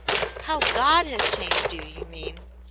"How God has changed you, you mean.